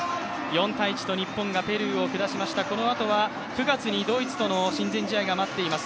４−１と日本がペルーを下しました、このあとはドイツとの親善試合が待っています。